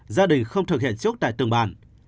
gia đình không thực hiện chốt tại từng bàn